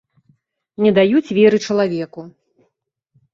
Не даюць веры чалавеку.